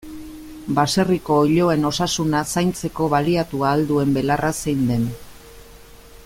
Baserriko oiloen osasuna zaintzeko baliatu ahal duen belarra zein den.